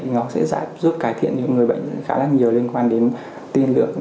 nó sẽ giúp cải thiện những người bệnh khá là nhiều liên quan đến tiên lượng